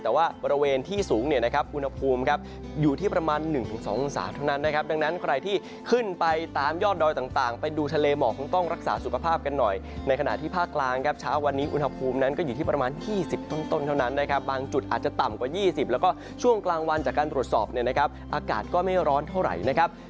แต่ว่าบริเวณที่สูงเนี่ยนะครับอุณหภูมิครับอยู่ที่ประมาณ๑๒องศาเท่านั้นนะครับ